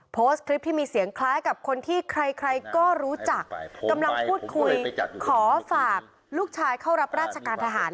โพสต์คลิปที่มีเสียงคล้ายกับคนที่ใครก็รู้จักกำลังพูดคุยขอฝากลูกชายเข้ารับราชการทหาร